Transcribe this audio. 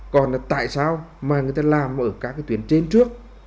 còn tại sao mà người ta làm ở các tuyến trên trước